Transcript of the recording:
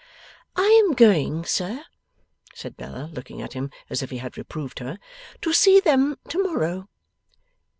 'I am going, sir,' said Bella, looking at him as if he had reproved her, 'to see them tomorrow.